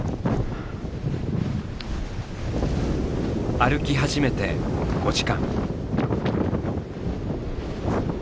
歩き始めて５時間。